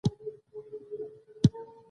زردالو له ډوډۍ سره هم خوړل کېږي.